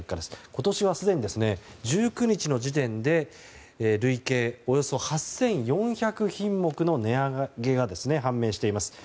今年はすでに１９日の時点で累計およそ８４００品目の値上げが判明しています。